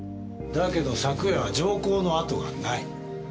だけど昨夜は情交の跡がない。